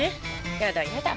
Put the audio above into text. やだやだ。